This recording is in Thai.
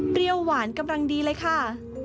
เปรี้ยวหวานกำลังดีเลยค่ะ